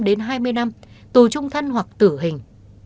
đến hai mươi năm tù trung thân hoặc tử hình